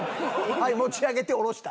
はい持ち上げて下ろした。